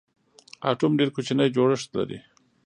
اټوم ډېر کوچنی جوړښت لري.